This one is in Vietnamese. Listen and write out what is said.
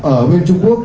ở nguyên trung quốc